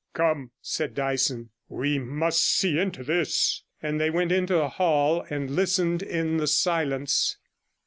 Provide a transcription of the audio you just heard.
'Come,' said Dyson, 'we must see into this,' and they went into the hall and listened in the silence.